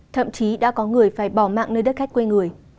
thậm chí đã có người phải bỏ mạng nơi đất khách quê người